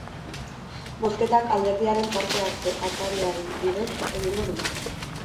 Bozketak alderdiaren parte-hartze atariaren bidez egingo dira.